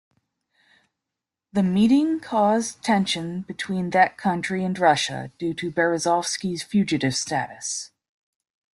The meeting caused tension between that country and Russia due to Berezovsky's fugitive status.